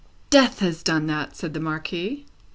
"Death has done that!" said the Marquis.